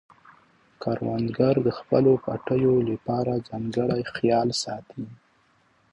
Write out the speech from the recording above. کروندګر د خپلو پټیو لپاره ځانګړی خیال ساتي